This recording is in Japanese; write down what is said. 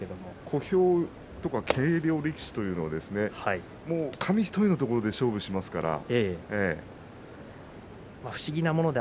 小兵力士とか軽量力士というのは紙一重のところで勝負しますからね。